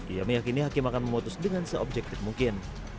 ia meyakini hakim akan memutus dengan se objektif mungkin